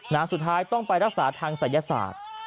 สุดท้ายต้องไปรักษาทางศัยศาสตร์